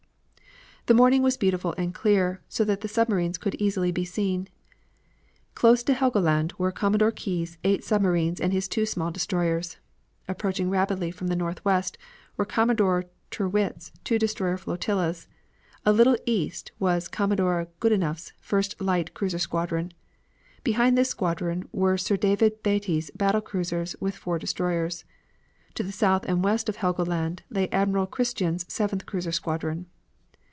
The morning was beautiful and clear, so that the submarines could be easily seen. Close to Helgoland were Commodore Keyes' eight submarines, and his two small destroyers. Approaching rapidly from the northwest were Commodore Tyrwhitt's two destroyer flotillas, a little to the east was Commodore Goodenough's first light cruiser squadron. Behind this squadron were Sir David Beatty's battle cruisers with four destroyers. To the south and west of Helgoland lay Admiral Christian's seventh cruiser squadron.